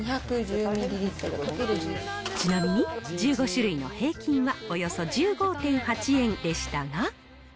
ちなみに１５種類の平均は、およそ１５．８円でしたが。